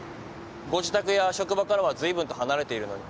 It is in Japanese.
ご自宅や職場からはずいぶんと離れているのに。